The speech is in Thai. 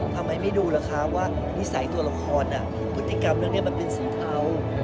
ทำไมไม่ดูรึคะว่านิสัยตัวละครพฤติกรรมหนึ่งมันเป็นสีเธ้า